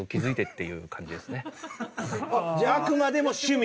じゃああくまでも趣味。